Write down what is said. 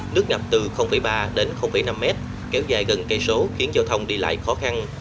nước nặp từ ba đến năm m kéo dài gần cây số khiến giao thông đi lại khó khăn